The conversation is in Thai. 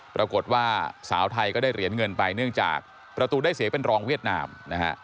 ปรากฏว่าสาวไทยก็ได้เหรียญเงินไปเนื่องจากประตูได้เสียเป็นรองเวียดนามนะฮะ